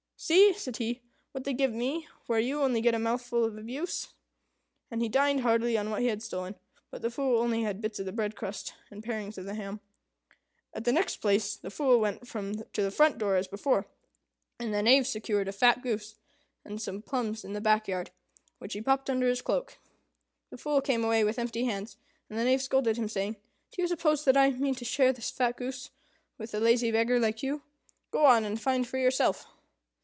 "See," said he, "what they give me, where you get only a mouthful of abuse!" And he dined heartily on what he had stolen; but the Fool only had bits of the breadcrust, and the parings of the ham. At the next place the Fool went to the front door as before, and the Knave secured a fat goose and some plums in the back yard, which he popped under his cloak. The Fool came away with empty hands, and the Knave scolded him, saying, "Do you suppose that I mean to share this fat goose with a lazy beggar like you? Go on, and find for yourself."